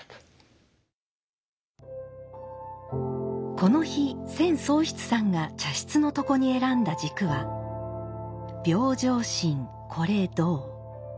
この日千宗室さんが茶室の床に選んだ軸は「平生心是道」。